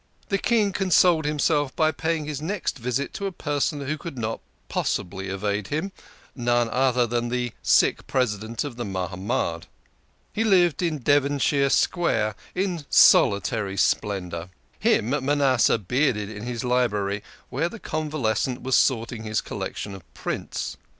The King consoled himself by paying his next visit to a personage who could not possibly evade him none other than the sick President of the Mahamad. He lived in Devon shire Square, in solitary splendour. Him Manasseh bearded in his library, where the convalescent was sorting his collec tion of prints.